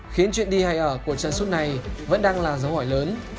khiến chuyện đi hay ở của chân suốt này vẫn đang là dấu hỏi lớn